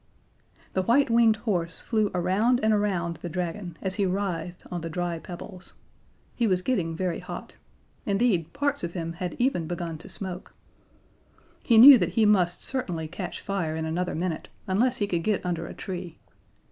The white winged horse flew around and around the Dragon as he writhed on the dry pebbles. He was getting very hot: indeed, parts of him even had begun to smoke. He knew that he must certainly catch fire in another minute unless he could get under a tree.